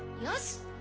よし！